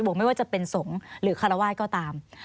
ไม่ว่าจะเป็นสงฆ์หรือคารวาสก็ตาม